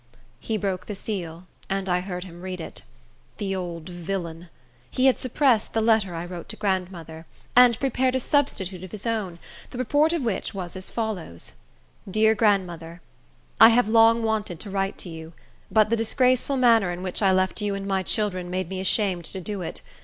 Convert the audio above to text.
He broke the seal, and I heard him read it. The old villain! He had suppressed the letter I wrote to grandmother, and prepared a substitute of his own, the purport of which was as follows:— Dear Grandmother: I have long wanted to write to you; but the disgraceful manner in which I left you and my children made me ashamed to do it.